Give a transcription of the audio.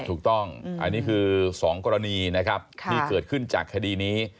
ถูกต้องอันนี้คือ๒กรณีนะครับที่เกิดขึ้นจากคดีนี้